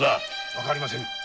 わかりませぬ。